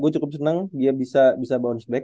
gue cukup senang dia bisa bounce back